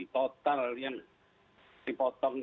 total yang dipotong